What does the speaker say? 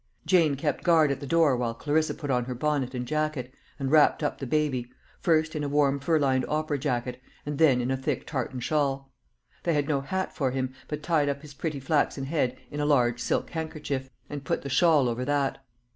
Jane kept guard at the door while Clarissa put on her bonnet and jacket, and wrapped up the baby first in a warm fur lined opera jacket, and then in a thick tartan shawl. They had no hat for him, but tied up his pretty flaxen head in a large silk handkerchief, and put the shawl over that.